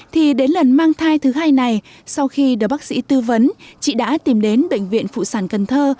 thì đến lần mang thai thứ hai này sau khi được bác sĩ tư vấn chị đã tìm đến bệnh viện phụ sản cần thơ